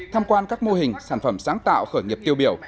tham quan các mô hình sản phẩm sáng tạo khởi nghiệp tiêu biểu